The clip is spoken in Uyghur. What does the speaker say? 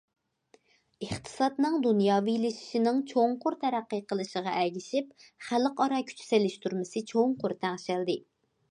ئىقتىسادنىڭ دۇنياۋىلىشىشىنىڭ چوڭقۇر تەرەققىي قىلىشىغا ئەگىشىپ، خەلقئارا كۈچ سېلىشتۇرمىسى چوڭقۇر تەڭشەلدى.